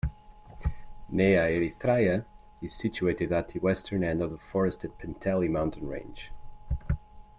Nea Erythraia is situated at the western end of the forested Penteli mountain range.